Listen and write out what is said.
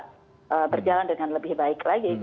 bisa berjalan dengan lebih baik lagi